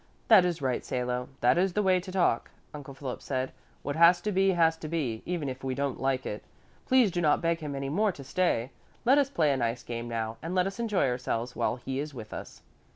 "That is right, Salo, that is the way to talk," Uncle Philip said. "What has to be, has to be, even if we don't like it. Please do not beg him any more to stay. Let us play a nice game now and let us enjoy ourselves while he is with us."